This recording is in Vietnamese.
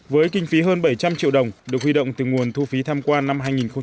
với kinh phí hơn bảy trăm linh triệu đồng được huy động từ nguồn thu phí tham quan năm hai nghìn một mươi chín